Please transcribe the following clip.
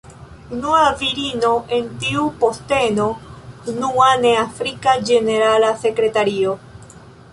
Unua virino en tiu posteno, unua ne afrika ĝenerala sekretario.